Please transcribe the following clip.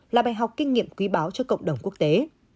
là bài học kinh nghiệm quý báo cho cộng đồng quốc tế